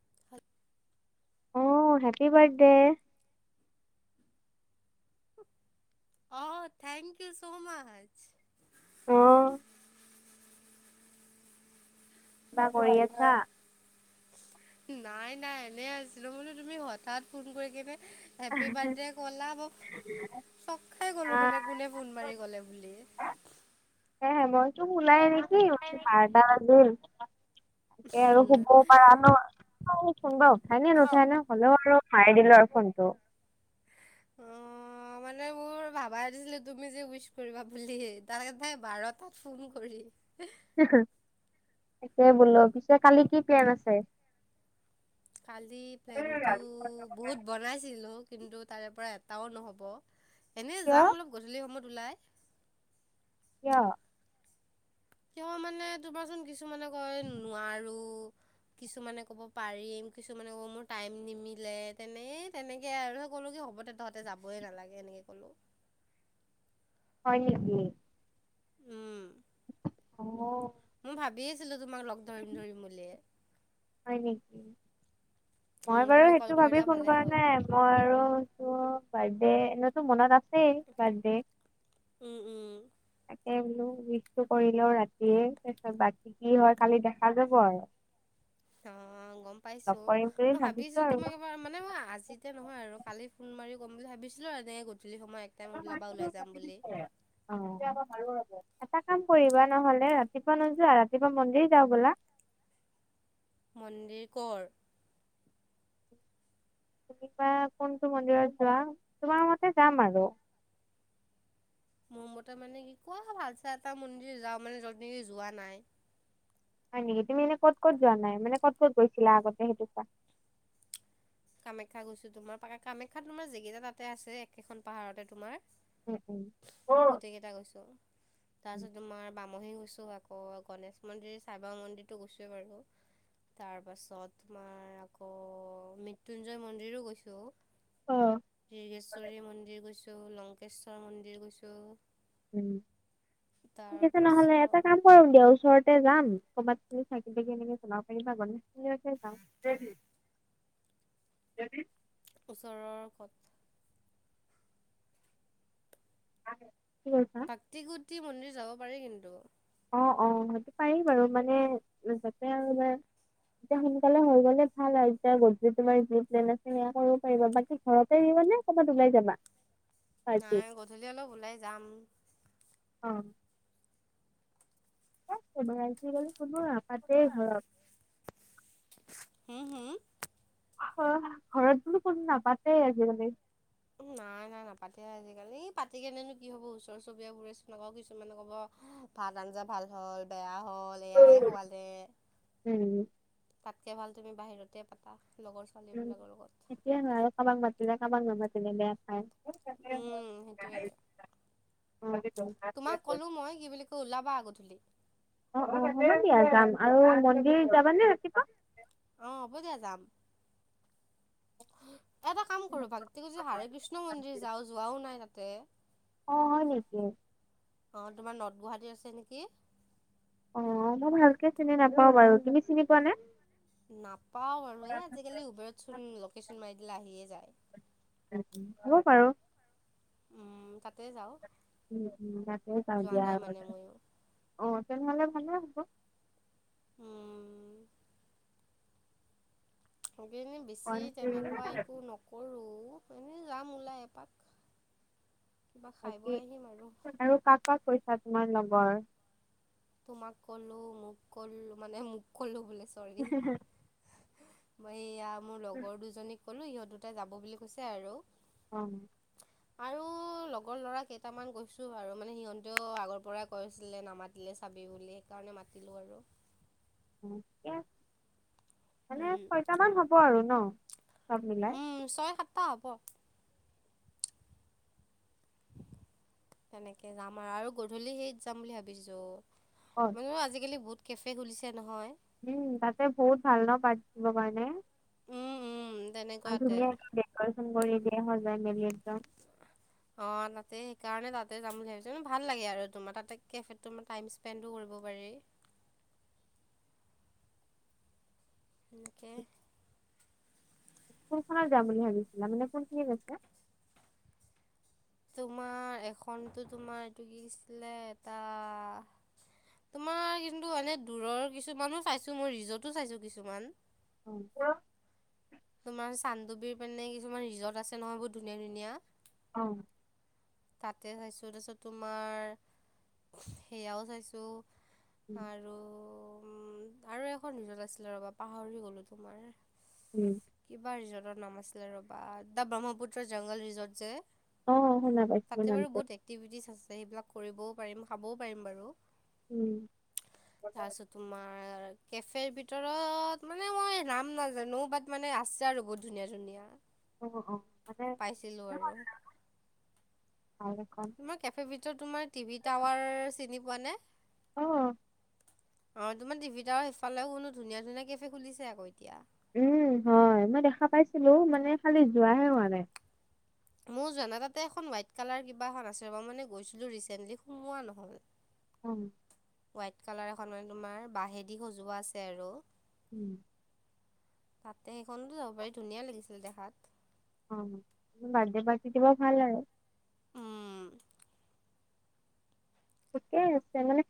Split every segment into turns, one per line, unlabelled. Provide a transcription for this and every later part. [unintelligible]
অ' happy birthday.
অ' thank you so much.
অ কিবা কৰি আছা
[unintelligible] নাই নাই এনে আছিলো বোলো তুমি হঠাৎ ফোন কৰি কেনে হেপ্পি বাৰ্থডে ক'লা ক চক খাই গলোঁ মানে
নাই
কোনে ফোন মাৰি ক'লে বুলি।
এ মইটো শুলাই নেকি বাৰটা বাজিল। তাকে আৰু, শুধিবও পাৰা ন' অ'- কোনবা উঠাই নে
অ',
নুঠাই নে। হ'লেও আৰু মাৰি দিলোঁ আৰু ফোনটো।
অ' অ', মানে মোৰ ভাবায় নাছিলোঁ তুমি যে উইচ কৰিবা বুলি। তাতে তাই বাৰটাত ফোন কৰি। এহ
হি হি‌। তাকে বোলোঁ। পিছে কালি কি প্লেন আছে?
কালি প্লেনটো- বহুত বনাইছিলোঁ, কিন্তু তাৰে পৰা এটাও নহ'ব, এনে
কিয়
যাম অলপ। গধূলি সময়ত ওলায়।
কিয়?
কিয় মানে তোমাচোন কিছুমানে কয় নোৱাৰোঁ। কিছুমানে ক'ব পাৰিম, কিছুমানে ক'ব, মোৰ টাইম নিমিলে, তেনে তেনেকে আৰু সকলোকে হ'ব দে। তহঁতে যাবই নালাগে, এনেকে ক'লোঁ।
হয় নেকি?
উম'।
অহ'।
মই ভাবিয়ে আছিলোঁ, তোমাক লগ ধৰিম-ধৰিম বুলিয়ে।
উম' -উম' মই বাৰু
তুমি কল
সেইটো ভাবি
কৰিলা
ফোন
ভালে
কৰা
হ'ল
নাই। এই' মই আৰু তোৰ বাৰ্থডে, এনেতো মনত আছেই বাৰ্থডে।
উম'-উম'।
তাকে বোলোঁ উইছটো কৰি লওঁ ৰাতিয়ে, তাৰপিছত বাকী কি হয় কালি, দেখা যাব আৰু।
অহ', গম পাইছোঁ,
কৰিম বুলি
মই ভাবিছোঁ
আৰু
তোমাক এবাৰ মানে মোৰ আজি এতিয়া নহয় আৰু, কালি ফোন মাৰি কম বুলি ভাবিছিলোঁ আৰু এনেকে গধূলি সময় এক টাইম ওলাবা, ওলাই যাম বুলি।
অহ', কিবা এটা ভাবিবো লাগিব, এটা কাম কৰিবা নহ'লে, ৰাতিপুৱা নোযোৱা, ৰাতিপুৱা মন্দিৰ যাওঁ বোলা।
মন্দিৰ ক'ৰ?
তুমি বা কোনটো মন্দিৰত যোৱা? তোমাৰ মতে যাম আৰু।
মোৰ মতে মানে, কি কোৱা, ভাল চাই এটা মন্দিৰ যাওঁ মানে যদি যোৱা নাই।
হয় নেকি, তুমি এনে ক'ত-ক'ত যোৱা নাই? মানে ক'ত-ক'ত গৈছিলা আগতে সেইটো কোৱা।
কামাখ্যা গৈছোঁ তোমাৰ পাকা, কামাখ্যাত তোমাৰ যিকেইটা তাতে আছে, একেখন পাহাৰতে তোমাৰ।
উম
গোটেই কেইটা গৈছোঁ। তাৰ
উম
পিছত তোমাৰ বামহী গৈছোঁ, আকৌ গণেশ মন্দিৰ, সাইবাবা মন্দিৰতো গৈছোঁৱে বাৰু। তাৰ পাছত তোমাৰ আকৌ মৃত মৃত্যুঞ্জয় মন্দিৰো গৈছোঁ,
অ
দৰ্গেশ্বৰী মন্দিৰ গৈছোঁ, লং লংকেশ্বৰ মন্দিৰ গৈছোঁ।
উম', ঠিক আছে নহ'লে, এটা
তাৰপাছত
কাম এই দেওঁ ওচৰতে যাম, ক'ৰবাত তুমি চাকি-তাকি এনেকে জ্বলাব পাৰিবা, গণেশ গুৰিলৈকে যাওঁ। ৰেডি-ৰেডি।
ওচৰৰ ক'ত?
হেল্ল',।
ভক্তি কুটী মন্দিৰ যাব পাৰে কিন্তু।
অ', -অ', সেইটো পাৰি বাৰু, মানে, যাতে আৰু মান এতিয়া সোনকালে হৈ গ'লে ভাল আৰু, তেতিয়া যদি তোমাৰ যি প্লেন আছে সেয়া কৰিব পাৰিবা, বাকী ঘৰতে আহিবা নে, ক'ৰবাত ওলাই যাবা? পাৰ্টি?
নাই, গধূলি অলপ ওলাই যাম।
অহ',। এই', নোৱাৰিছোঁ বুলি, কোন নো ইয়াত?
কোন নো ইয়াত, হম-হম,।
অ', ঘৰত বোলোঁ কোনো নাপাতেই আজিকালি।
নাই-নাই, নাপাতে আজিকালি, পাতি কেনেনো কি হ'ব ওচৰ- চুবুৰীয়াবোৰেচোন আকৌ কিছুমানে ক'ব হি ভাত-আঞ্জা ভাল হ'ল, বেয়া হ'ল। বেয়ায়ে খুৱালে,
উম,
তাতকে ভাল তুমি বাহিৰতে পাতা, লগৰছ পোৱালীবিলাকৰ লগত।
কিহেনু আৰু কাবাক মাতিলে কাবাক নামাতিলে বেয়া পায়।
উম', সেইটোৱে।
অ',
তোমাক ক'লোঁ মই কি বুলি কয় ওলাবা গধূলি!
অ' অ' হ'ব দিয়া যাম আৰু মন্দিৰ যাবানে ৰাতিপুৱা?
অ', হ'ব দিয়া যাম। এটা কাম কৰো ভাল, তুয়ি যি হাৰে কৃষ্ণ মন্দিৰ যাওঁ যোৱাও নাই তাতে।
অঁ হয় নেকি?
অ', তোমাৰ নত গুৱাহাটীত আছে নেকি?
অ', মই ভালকে চিনি নাপাও বাৰু, তুমি চিনি পোৱানে?
নাপাওঁ বাৰু এ' আজিকালি উবেৰতচোন লকেচন মাৰি দিলে আহিয়ে যায়।
হয় বাৰু।
উম' তাতে যাওঁ।
উম উম তাতে যাওঁ
যোৱা
দিয়া।
নাই মানে ময়ো
অ', তেনেহ'লে ভালে হ'ব।
উম্। শেগেনে বেছি তেনেকুৱা একো নক- কৰো, এনেই যাম ওলাই এপাক। কিবা
বাকী
খাই-ব‌ই আহিম আৰু।
কাক কাক কৈছা তোমাৰ লগৰ?
তোমাক কলো, মোক কলো মানে মোক কলো বোলে ছৰি। মই এয়া মোৰ লগৰ দুজনীক ক'লো সিহঁত দুটাই যাব বুলি কৈছে আৰু।
হয় নি?
আৰু লগৰ ল'ৰা কেইটামান কৈছো আৰু মানে সিহঁতেও আগৰ পৰাই কৈ আছিলে নামাত- তিলে চাবি বুলি সেইকাৰণে মাতিলো আৰু।
অ' কে, মানে
উম
ছয়টামান হ'ব আৰু ন'? চব মিলাই।
উম, ছয়-সাতটা হ'ব। তেনেকে যাম আৰু, আৰু গধূলি সেইত যাম বুলি ভাবিছো।
অ
মানুহে আজি-কালি বহুত কেফে খুলিছে নহয়।
উম, তাতে বহুত ভাল ন' পাৰ্টি দিব কাৰণে?
উম, উম,
আৰু
তেনেকুৱাতে।
ধুনীয়াকে ডেক'ৰেচন কৰি দিয়ে সজায়-মেলি একদম।
অ', তাতে সেইকাৰণে তাতে যাম বুলি ভাবিছোঁ। ম' ভাল লাগে আৰু তোমাৰ তাতে কেফেত তোমাৰ টাইম স্পেণ্ডো কৰিব পাৰি। সেনেকে
কোনখনত যাম বুলি ভাবিছিলা? মানে কোনখিনিত আছে?
তোমাৰ এখনতো তোমাৰ এইটো কিছিলে এটা তোমাৰ কিন্তু এনে দূৰৰ কিছুমানো চাইছো মই ৰিজৰ্টো চাইছো কিছুমান।
[unintelligible]
তোমাৰ চানদুবীৰ পানে কিছুমান ৰিজৰ্ট আছে নহয় বহুত ধুনীয়া-ধুনীয়া।
অ'।
তাতে চাইছো, তাছত তোমাৰ সেইয়াও চাইছোঁ আৰু উম্ আৰু এখন ৰিজত আছিলে ৰ'বা পাহৰি গ'লো তোমাৰ।
উম।
কিবা ৰিজৰ্টৰ নাম আছিলে ৰ'বা দা ব্ৰহ্মপুত্ৰ জংগল ৰিজৰ্ট যে
অ শুনা পাইছিলো
তাতে বাৰু
নামটো
বহুত এক্টিভিটিছ আছে সেইবিলাক কৰিবও পাৰিম খাবও পাৰিম বাৰু।
উম।
তাৰছত তোমাৰ কেফেৰ ভিতৰত মানে মই নাম নাজানো বাট মানে আ ছে আৰু বহুত ধুনীয়া ধুনীয়া।
অ অ মানে
পাইছিলো আৰু
ভাল এখন।
তোমাক কেফেবিটো তোমাৰ টিভি টাৱাৰ চিনি পোৱা নে?
অ'।
অঁ তোমাৰ টিভিতটা আৰু সেইফালেও শুনো ধুনীয়া ধুনীয়া কেফে খুলিছে আক এতিয়া।
উম হয় মই দেখা পাইছিলো মানে খালি যোৱাহে হোৱা নাই।
মৌ যোৱা নাই তাতে এখন হোৱাইট কালাৰ কিবা এখন আছিল ৰ মানে গৈছিলো ৰিচেণ্টলি সোমোৱা নহ'ল।
অ'।
হোৱাইট কালাৰ এখন মানে তোমাৰ বাহেদি সজোৱা আছে আৰু।
উম।
তাতে সেইখনতো যাব পাৰি ধুনীয়া লাগিছিলে দেখাত।
অম বাৰ্থডে পাৰ্টি দিব ভাল আৰু।
উম।
তাকে তাৰমানে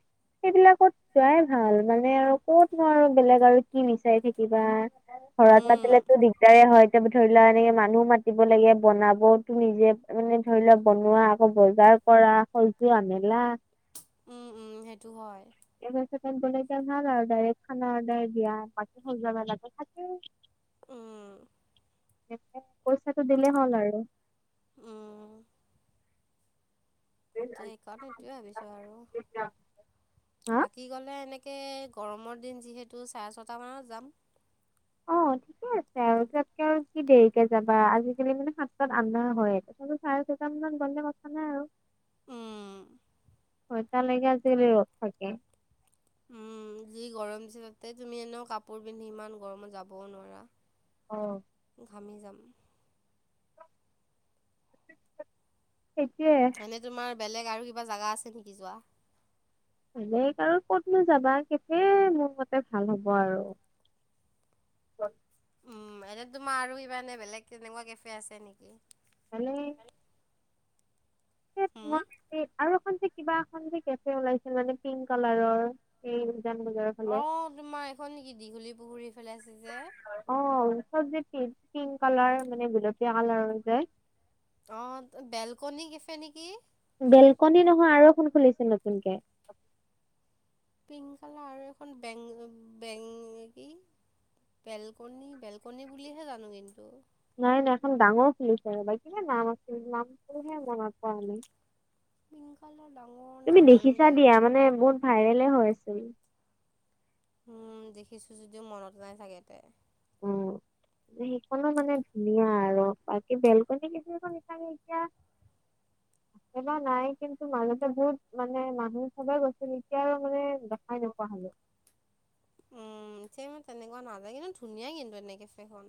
সেইবিলাকত যোৱাই ভাল মানে আৰু কত নো আৰু বেলেগ কি বিচাৰি থাকিবা। ঘৰত
উম,
পাতিলেতো দিগদাৰে হয় এতিয়া ধৰি লোৱা এনেকে মানুহো মাতিব লাগে বনাব ত নিজে মানে ধৰি লোৱা বনোৱা আকৌ বজাৰ কৰা সজু আ মেলা
উম উম সেইটো হয়।
[unintelligible] গলেটো ভালে ডাইৰেক্ খানা অৰ্ডাৰ দিয়া বাকী সজোৱা মেলাটো থাকেই।
উম।
পইচাটো দিলেই হ'ল আৰু।
উম। সেইটো সেইকাৰণে সেইটোয়ে ভাবিছো
হা
আৰু বাকী গলে এনেকে তকে গৰমৰ দিন যিহেতু চাৰে ছটামানত যাম।
অ ঠিকে আছে আৰু তাতকে আৰু কি দেৰিকে যাবা আজিকালি মানে হাতাত আন্ধাৰ হয়েই। মই বোলো চাৰে ছটামানত গলে কথা নাই আৰু।
উম।
চটা লৈকে আজিকালি ৰদ থাকে।
উম যি গৰম দিছে তাতে তুমি এনে কাপোৰ পিন্ধি ইমান গৰমত যাবও নোৱাৰা।
অ।
ঘামি যাম।
সেইটোয়ে।
মানে তোমাৰ বেলেগ আৰু কিবা জাগা আছে নেকি যোৱা?
বেলেগ আৰু কতনো যাবা কেফে মোৰ মতে ভাল হব আৰু।
উম এনে তোমাৰ আৰু ইমানানে বেলেগ তেনেকুৱা কেফে আছে নেকি।
মানে
উম,
[unintelligible] আৰু এখন যে কিবা এখন যে কেফে ওলাইছিল মানে পিংক কালাৰৰ এই উজান বজাৰত
অঁ তোমাৰ এইখন নেকি দীঘলী পুখুৰী ফেলাই আছে যে।
অও চবজিত। পিংক কালাৰ মানে গুলপীয়া কালাৰৰ যে।
অ বেলকনী কেফে নেকি।
বেলকনি নহয় আৰু এখন খুলিছে নতুনকে।
পিংক কালাৰ এখন বেং বেংগ কি বেলকনি বেলকনি বুলিহে জানো কিন্তু।
নাই নাই এখন ডাঙৰ খুলিছে বাই কিনে নাম আছিল নামতোহে মনত পৰা নাই।
পিংক কালাৰ ডাঙৰ
তুমি
নাজানো
দেখিছা দিয়া,
পিছে
মানে বহুত ভাইৰেলে হৈ আছিল।
উম। দেখিছোঁ যদিও মনত নাই চাগে তে।
উম। সেইখনো মানে ধুনীয়া আৰু, বাকী বেলকনী [unintelligible] তিয়া [inaudible] এবাৰ নাই কিন্তু মাজতে বহুত মানে মানুহ চবে গৈছিল, এতিয়া আৰু মানে দেখাই নোপোৱা হ'লো।
উম। এতিয়া ইমান তেনেকুৱা নাযায়, কিন্তু ধুনীয়াই কিন্তু এনে কেফেখন।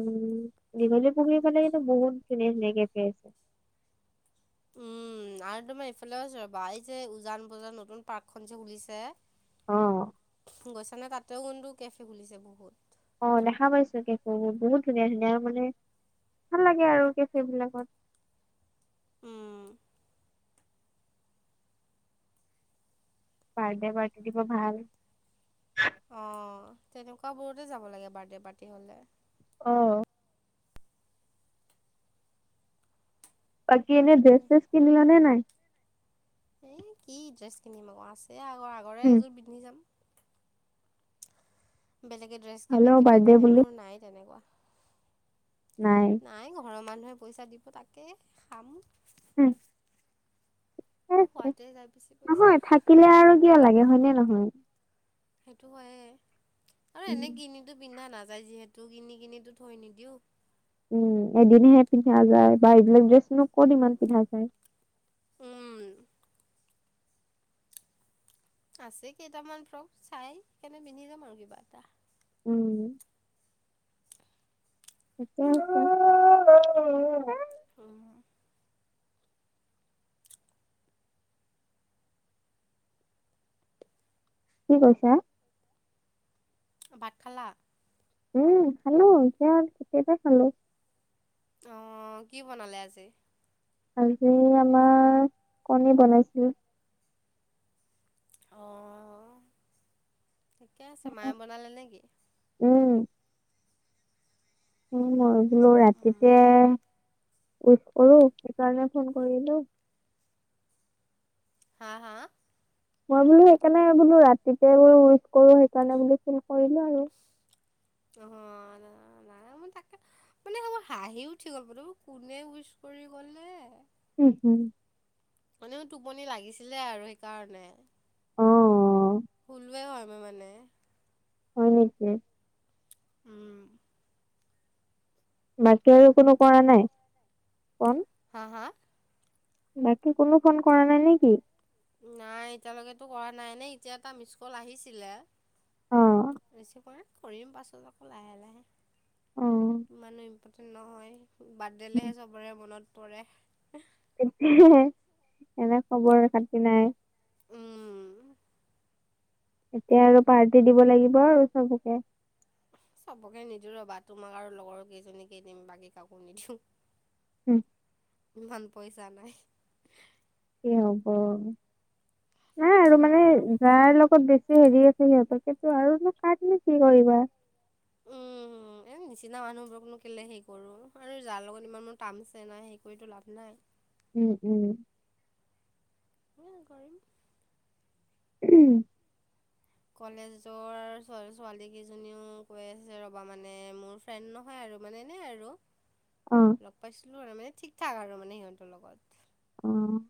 উম। দীঘলী পুখুৰীৰ ফালে কিন্তু বহুত ধুনিয়া ধুনীয়া কেফে আছে।
উম, আৰু তোমাৰ এইফালে ৰ'বা। এই যে উজান বজাৰত নতুন পাৰ্কখন যে খুলিছে।
অ
গৈছা নে? তাতেও কুন্তু কেফে খুলিছে বহুত।
অ' দেখা পাইছো কেফেবোৰ। বহুত ধুনীয়া ধুনীয়া মানে, ভাল লাগে আৰু কেফে বিলাকত।
উম।
বাৰ্দে পাৰ্টি দিব ভাল।
অ' তেনেকুৱাবোৰতে যাব লাগে, বাৰ্থডে' পাৰ্টি হ'লে।
অ'। বাকি এনে ড্ৰেছ চেচ কিনিলানে নাই?
এই, কি ড্ৰেছ কিনিম আকৌ? আছে আগৰ, আগৰে
উম
এযোৰ পিন্ধি যাম। বেলেগে ড্ৰেছ কিনে,
হ'লেও
কিবা
বাৰ্থডে
কিনে।
বুলি?
মোৰ নাই তেনেকুৱা।
নাই।
নাই, ঘৰৰ মানুহে পইচা দিব তাকে খাম।
হম।
মোৰ খোৱতে যায়, বেছি পইছা।
কিলে আৰু কিয় লাগে? হয়নেে নহয়।
সেইটো হয়ে। আৰু এনেই
উম
কিনিতো পিন্ধা নাযায় যিহেতু, কিনি কিনিটো থৈ নিদিওঁ।
উম। এদিনহে পিন্ধা যায়, বা এইবিলাক ড্ৰেছনো ক'ত ইমান পিন্ধা যায়।
হুম। আছে কেইটামান ফ্ৰক। চাই কেনে পিন্ধি যাম আৰু কিবা এটা।
উম। [unintelligible]
উম।
কি কৈছা?
ভাত খালা?
উম, খালোঁ। এতিয়া কেইটা খালোঁ।
অ', কি বনালে আজি?
আজি আমাৰ কণী বনাইছিল।
অ, ঠিকে আছে। মায়ে বনালে নে কি?
উম। উ, মই বোলো
উম,
ৰাতিকে উইচ কৰোঁ, সেইকাৰণে ফোন কৰিলোঁ।
হা? হা?
মই বোলো সেইকাৰণে বোলো ৰাতিতে বোলো উইচ কৰোঁ, সেইকাৰণে বোলো ফোন কৰিলোঁ আৰু।
অহ নাই, মই তাকে মানেসম হাঁহি উঠি গ'ল, বোলো কোনে উইচ কৰি ক'লে।
উম, হুম।
হনেও টোপনি লাগিছিলে আৰু সেইকাৰণে।
অ'।
শুলোৱে হয় মই মানে।
হয় নেকি
উম'
বাকী আৰু কোনো কৰা নাই ফ'ন?
হা হা?
বাকী কোনো ফোন কৰা নাই নে নেকি?
নাই, এতিয়ালৈকেতো কৰা নাই নে এতিয়া এটা মিচস্কল আহিছিলে।
অ',
ৰেচিপ কৰা, কৰিম পাছত আকৌ লাহে-লাহে।
অ'
ইমানো ইম্পৰ্টেণ্ট নহয়, বাৰ্থডেলেহে
উম।
চবৰে মনত পৰে।
[unintelligible] এনে খবৰ খাটি নাই।
উম'
এতিয়া আৰু পাৰ্টি দিব লাগিব আৰু চবকে।
চবকে নিদো ৰবা, তোমাক আৰু লগৰ কেইজনী কেই দিম বাকী কাকো নিদিওঁ।
উম'।
ইমান পইচা নাই।
কি হ'ব? নাই আৰু মানে
উম'।
যাৰ লগত বেছি হেৰি আছে সিহঁতকে নো আৰু নো কাক নো কি কৰিবা। [inaudible]
উম, এই নিচিনা মানুহবোৰকনো কেলেই সেই কৰো আৰু যাৰ লগত ইমান মোৰ টামছে নাই, সেই কৰিতো লাভ নাই।
উম' উম'।
ম [unintelligible] কৰিম
উম'
কলেজৰ ছোৱালী কেইজনীও কৈ আছে ৰ'বা মানে মোৰ ফ্ৰেড নহয় আৰু মানে এনে আৰু
অ',
লগ পাইছিলোঁ আৰু মানে ঠিক-ঠাক আৰু মানে সিহঁতৰ লগত।
অ'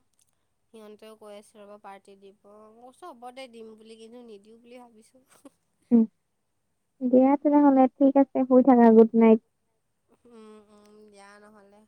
সিহঁতেও কৈ আছে ৰ'বা পাৰ্টি দিব মই কৈছোঁ হ'ব দে, দিম বুলি কিন্তু নিদিওঁ বুলি ভাবিছোঁ।
উম' দিয়া তেনেহ'লে ঠিক আছে, শুই থাকা গুড নাইট।
উম' উম' দিয়া নহ'লে।